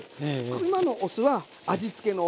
今のお酢は味付けのお酢。